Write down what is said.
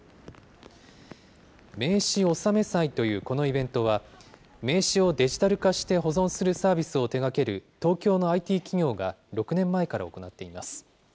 名刺納め祭というこのイベントは、名刺をデジタル化して保存するサービスを手がける、東京のＩＴ企業が６年前から行っています。